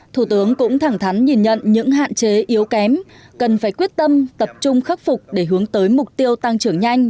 thủ tướng cũng thẳng thắn nhìn nhận những hạn chế yếu kém cần phải quyết tâm tập trung khắc phục để hướng tới mục tiêu tăng trưởng nhanh